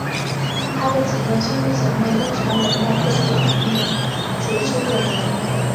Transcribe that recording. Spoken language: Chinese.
他的几个兄弟姐妹都成为在各自领域杰出的人物。